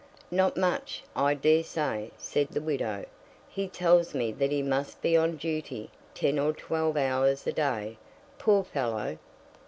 "Not much, I dare say," said the widow. "He tells me that he must be on duty ten or twelve hours a day. Poor fellow!"